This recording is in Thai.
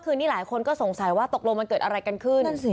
คือนี่หลายคนก็สงสัยว่าตกลงมันเกิดอะไรกันขึ้น